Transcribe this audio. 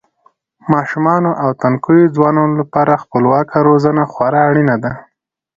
ماشومانو او تنکیو ځوانانو لپاره خپلواکه روزنه خورا اړینه ده.